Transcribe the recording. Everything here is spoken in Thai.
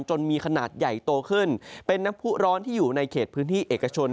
มีขนาดใหญ่โตขึ้นเป็นน้ำผู้ร้อนที่อยู่ในเขตพื้นที่เอกชน